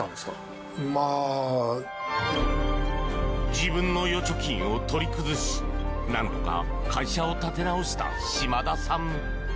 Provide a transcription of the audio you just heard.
自分の預貯金を取り崩し何とか会社を立て直した島田さん。